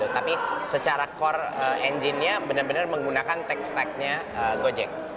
tapi secara core engine nya benar benar menggunakan tech stack nya gojek